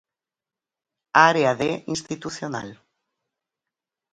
Área de Institucional.